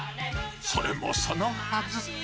それもそのはず。